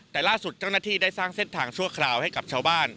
แต่ล่าสุดเจ้าหน้าที่ได้สร้างเส้นทางชั่วคราวให้กับชาวบ้าน